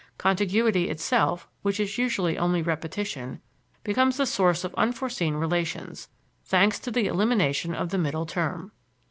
Contiguity itself, which is usually only repetition, becomes the source of unforeseen relations, thanks to the elimination of the middle term.